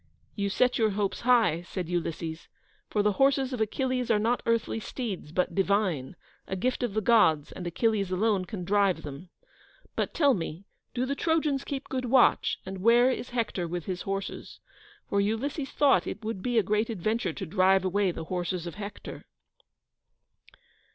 "You set your hopes high," said Ulysses, "for the horses of Achilles are not earthly steeds, but divine; a gift of the Gods, and Achilles alone can drive them. But, tell me, do the Trojans keep good watch, and where is Hector with his horses?" for Ulysses thought that it would be a great adventure to drive away the horses of Hector.